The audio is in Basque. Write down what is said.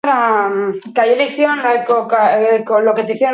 Aditz honek "du" eskatzen du, eta ez "dio".